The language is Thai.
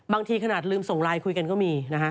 ขนาดลืมส่งไลน์คุยกันก็มีนะฮะ